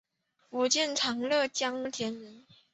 福建长乐江田人。